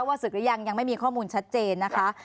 ศึกหรือยังยังไม่มีข้อมูลชัดเจนนะคะ